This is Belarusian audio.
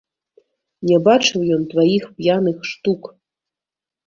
Не бачыў ён тваіх п'яных штук!